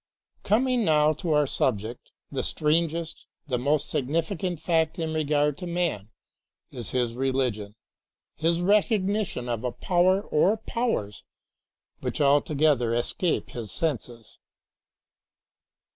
Coming now to our subject, the strangest, the most significant fact in regard to man is his religion, his recognition of a power or powers which altogether escape his senses.